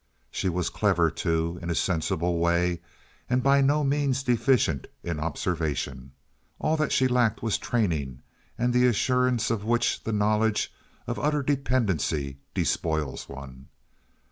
She was clever, too, in a sensible way, and by no means deficient in observation. All that she lacked was training and the assurance of which the knowledge of utter dependency despoils one.